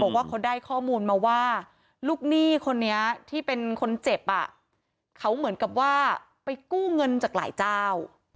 บอกว่าเขาได้ข้อมูลมาว่าลูกหนี้คนนี้ที่เป็นคนเจ็บอ่ะเขาเหมือนกับว่าไปกู้เงินจากหลายเจ้า